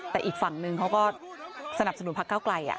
แต่อีกฝั่งนึงเขาก็สนับสนุนพักเก้าไกล